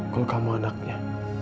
kalau kamu anaknya